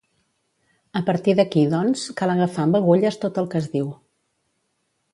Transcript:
A partir d’aquí, doncs, cal agafar amb agulles tot el que es diu.